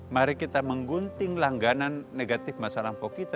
mari kita menggunting langganan negatif masa lampau kita